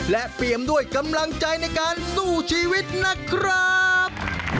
และเปรียมด้วยกำลังใจในการสู้ชีวิตนะครับ